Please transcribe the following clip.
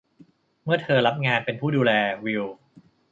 เมื่อเธอรับงานเป็นผู้ดูแล วิล